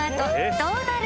どうなる？